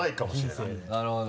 なるほど。